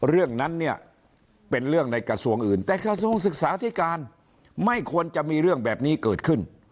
เรื่องนั้นเนี่ยเป็นเรื่องในกระทรวงอื่นแต่กระทรวงศึกษาธิการไม่ควรจะมีเรื่องแบบนี้เกิดขึ้น